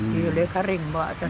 di ule kering bawa